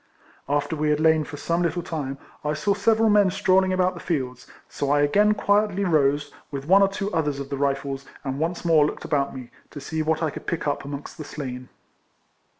After we had lain for some little time, I saw several men strolling about the fields, so I again quietly rose, with one or two others of the Rifles, and once more looked about me, to see what I could pick up amongst the slain.